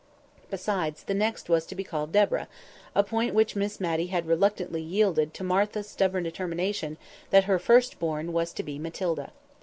Besides, the next was to be called Deborah—a point which Miss Matty had reluctantly yielded to Martha's stubborn determination that her first born was to be Matilda.